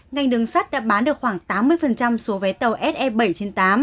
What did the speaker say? ngành đường sắt đã bán được khoảng tám mươi số vé tàu se bảy trên tám